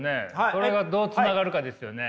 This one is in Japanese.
それがどうつながるかですよね。